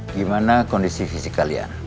gimana kondisi fisik kalian